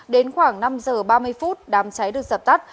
đến khoảng năm h ba mươi phút đàm cháy được dập tắt